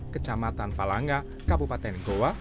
kecamatan palanga kabupaten goa